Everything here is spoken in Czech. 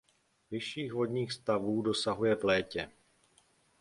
Vyšších vodních stavů dosahuje v létě.